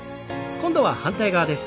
今度は反対側です。